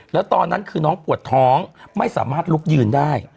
แล้วตอนนั้นคือน้องปวดท้องไม่สามารถลุกยืนได้